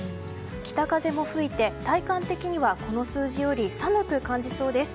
北風も吹いて体感的にはこの数字より寒く感じそうです。